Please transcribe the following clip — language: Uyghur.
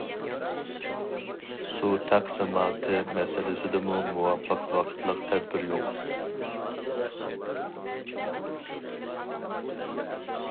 سۇ تەقسىماتى مەسىلىسىدىمۇ مۇۋاپىق ۋاقىتلىق تەدبىر يوق.